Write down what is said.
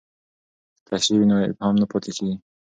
که تشریح وي نو ابهام نه پاتې کیږي.